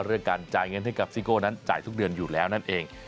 เรื่องการจ่ายเงินให้กับซิโก้นั้นจ่ายทุกเดือนอยู่แล้วนั่นเอง